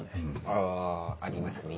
あありますね。